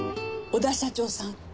小田社長さん